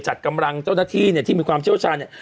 จัดกำลังเจ้าหน้าที่เนี่ยที่มีความเชี่ยวชาญเนี่ย